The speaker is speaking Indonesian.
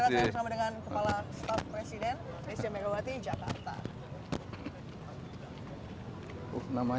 terima kasih pak